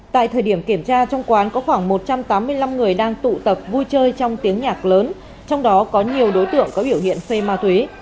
tại thời điểm kiểm tra trong quán có khoảng một trăm tám mươi năm người đang tụ tập vui chơi trong tiếng nhạc lớn trong đó có nhiều đối tượng có biểu hiện xây ma túy